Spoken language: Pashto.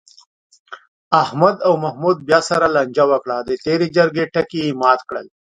احمد او محمود بیا سره لانجه وکړه، د تېرې جرگې ټکی یې مات کړ.